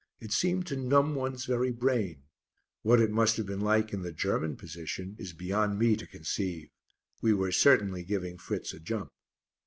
It seemed to numb one's very brain. What it must have been like in the German position is beyond me to conceive. We were certainly giving Fritz a jump.